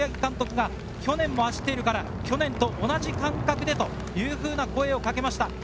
田澤に対して大八木監督が去年も走っているから去年と同じ感覚でと声をかけました。